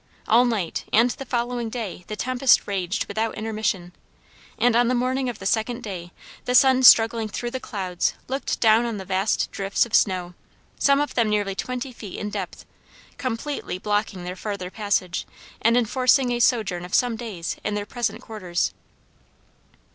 All night, and the following day the tempest raged without intermission, and on the morning of the second day the sun struggling through the clouds looked down on the vast drifts of snow, some of them nearly twenty feet in depth, completely blocking their farther passage, and enforcing a sojourn of some days in their present quarters.